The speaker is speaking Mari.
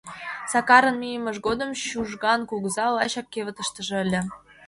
Сакарын мийымыж годым Чужган кугыза лачак кевытыштыже ыле.